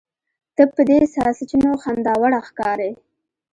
ته په دې ساسچنو خنداوړه ښکارې.